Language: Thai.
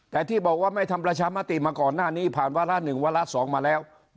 แต่ที่บอกว่าไม่ทำประชามติมาก่อนหน้านี้ผ่านวาระ๑วาระ๒มาแล้ว